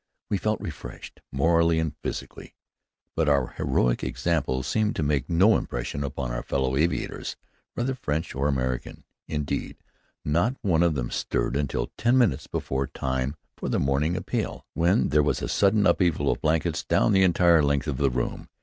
We felt refreshed, morally and physically, but our heroic example seemed to make no impression upon our fellow aviators, whether French or American. Indeed, not one of them stirred until ten minutes before time for the morning appel, when, there was a sudden upheaval of blankets down the entire length of the room.